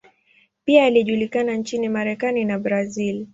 Pia alijulikana nchini Marekani na Brazil.